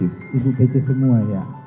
ibu peci semua ya